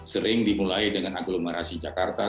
sering dimulai dengan aglomerasi jakarta